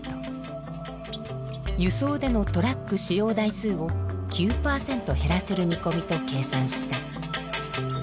輸送でのトラック使用台数を９％減らせるみこみと計算した。